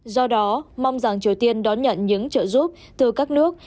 do đó mong rằng triều tiên đón nhận những trợ giúp từ các nước